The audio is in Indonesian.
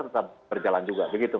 tetap berjalan juga